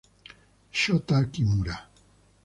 Shota Kimura